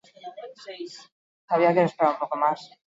Ospitaleak larrialdi egoeran daude, premiazko laguntza emateko prest.